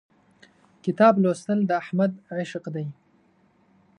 کتاب لوستل د احمد عشق دی.